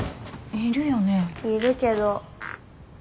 いるけど。